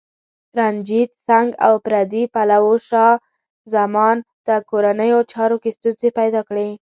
رنجیت سنګ او پردي پلوو شاه زمان ته کورنیو چارو کې ستونزې پیدا کړې.